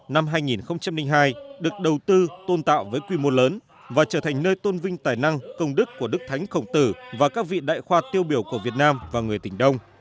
năm hai nghìn hai được đầu tư tôn tạo với quy mô lớn và trở thành nơi tôn vinh tài năng công đức của đức thánh khổng tử và các vị đại khoa tiêu biểu của việt nam và người tỉnh đông